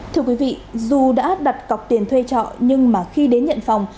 thưa quý vị dù đã đặt cọc tiền thuê trọ nhưng mà khi đến nhận phòng